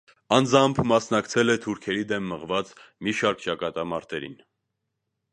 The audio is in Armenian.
Անձամբ մասնակցել է թուրքերի դեմ մղված մի շարք ճակատամարտերին։